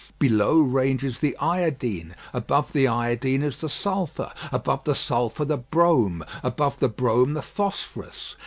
Below ranges the iodine; above the iodine is the sulphur; above the sulphur the brome; above the brome the phosphorus.